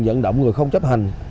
dẫn động người không chấp hành